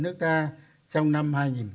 nước ta trong năm hai nghìn hai mươi